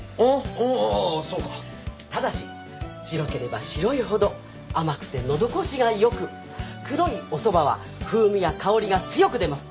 うんそうかただし白ければ白いほど甘くてのどごしがよく黒いおそばは風味や香りが強く出ます